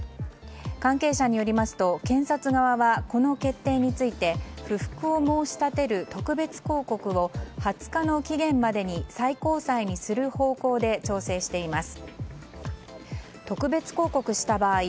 関係者によりますと検察側はこの決定について不服を申し立てる特別抗告を２０日の期限までに最高裁にする方向で調整しています。